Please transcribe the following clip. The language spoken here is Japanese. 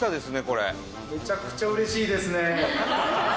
これめちゃくちゃ嬉しいですね